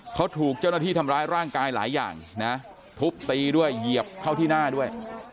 เขาถูกเจ้าหน้าที่ทำร้ายร่างกายหลายอย่างนะทุบตีด้วยเหยียบเข้าที่หน้าด้วย